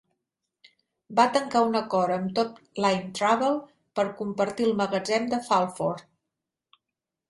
Va tancar un acord amb Top Line Travel per compartir el magatzem de Fulford.